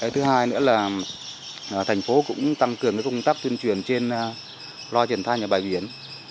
thứ hai nữa là thành phố cũng tăng cường công tác tuyên truyền trên loa truyền thanh ở bãi biển